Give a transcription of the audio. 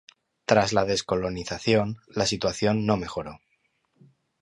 Tras la descolonización, la situación no mejoró.